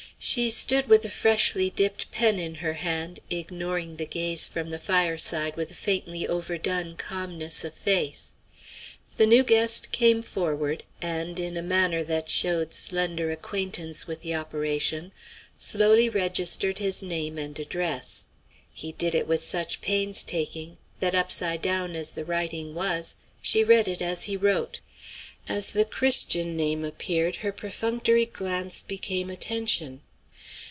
She stood with a freshly dipped pen in her hand, ignoring the gaze from the fireside with a faintly overdone calmness of face. The new guest came forward, and, in a manner that showed slender acquaintance with the operation, slowly registered his name and address. He did it with such pains taking, that, upside down as the writing was, she read it as he wrote. As the Christian name appeared, her perfunctory glance became attention.